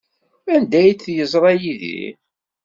Anda ay t-yeẓra Yidir?